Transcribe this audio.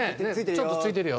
ちょっとついてるよ。